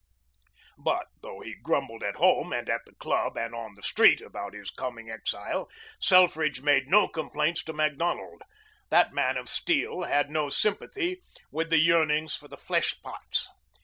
But though he grumbled at home and at the club and on the street about his coming exile, Selfridge made no complaints to Macdonald. That man of steel had no sympathy with the yearnings for the fleshpots.